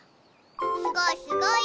すごいすごい！